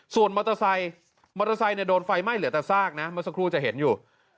ส่วนมอเตอร์ไซค์มอเตอร์ไซค์เนี่ยโดนไฟไหม้เหลือแต่ซากนะเมื่อสักครู่จะเห็นอยู่